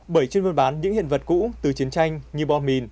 bởi trên vôn bán những hiện vật cũ từ chiến tranh như bom mìn